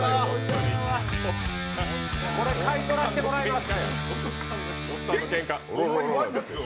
これ買い取らせてもらいます。